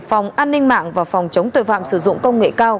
phòng an ninh mạng và phòng chống tội phạm sử dụng công nghệ cao